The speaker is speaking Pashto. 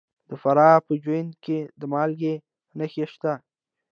د فراه په جوین کې د مالګې نښې شته.